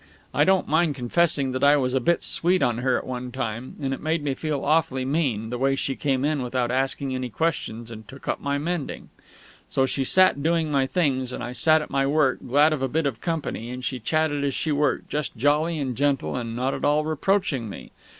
I don't mind confessing that I was a bit sweet on her at one time; and it made me feel awfully mean, the way she came in, without asking any questions, and took up my mending. So she sat doing my things, and I sat at my work, glad of a bit of company; and she chatted as she worked, just jolly and gentle and not at all reproaching me.